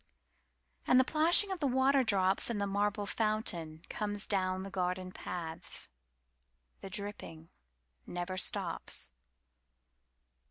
And the plashing of waterdropsIn the marble fountainComes down the garden paths. The dripping never stops.